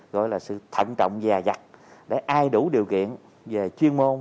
gọi là sự thận trọng và giặt để ai đủ điều kiện về chuyên môn